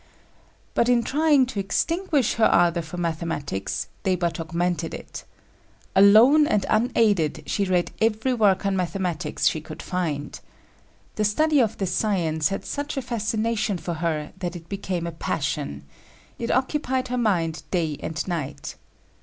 But in trying to extinguish her ardor for mathematics they but augmented it. Alone and unaided she read every work on mathematics she could find. The study of this science had such a fascination for her that it became a passion. It occupied her mind day and night.